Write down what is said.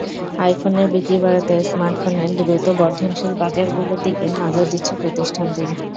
আইফোনের বিক্রি বাড়াতে স্মার্টফোনের দ্রুত বর্ধনশীল বাজারগুলোর দিকে নজর দিচ্ছে প্রতিষ্ঠানটি।